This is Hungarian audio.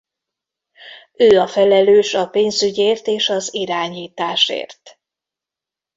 Ő a felelős a pénzügyért és az irányításért.